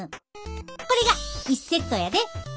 これが１セットやで。